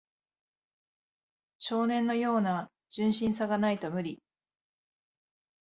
少年のような純真さがないと無理